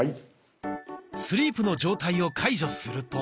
スリープの状態を解除すると。